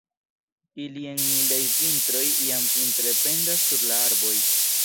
Ili en mildaj vintroj jam vintre pendas sur la arboj.